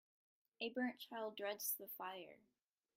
A burnt child dreads the fire.